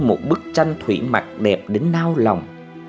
một bức tranh thủy mặt đẹp đến nao lòng